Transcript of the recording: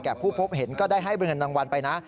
ผู้พบเห็นก็ได้ให้เงินรางวัลไปนะ